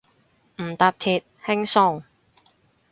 唔搭鐵，輕鬆